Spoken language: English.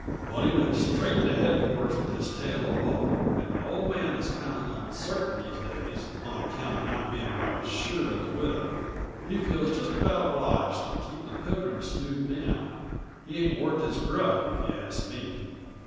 But he went straight to headquarters with his tale uh woe, and the Old Man is kinda uncertain these days, on account uh not being right sure uh the widow. He feels just about obliged to keep the Pilgrim smoothed down; he ain't worth his grub, if you ask me."